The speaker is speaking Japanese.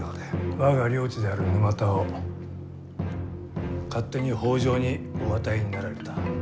我が領地である沼田を勝手に北条にお与えになられた。